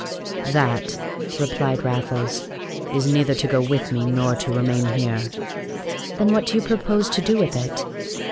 "That," replied Raffles, "is neither to go with me nor to remain here." "Then what do you propose to do with it?"